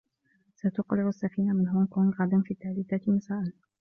ستقلع السفينة من هونغ كونغ غدا في الثالثة مساءا.